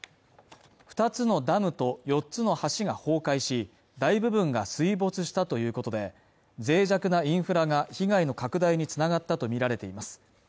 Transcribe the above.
２つのダムと４つの橋が崩壊し大部分が水没したということで脆弱なインフラが被害の拡大につながったとみられています